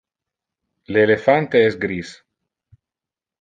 Le elephante es gris.